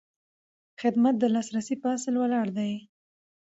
خدمت د لاسرسي په اصل ولاړ وي.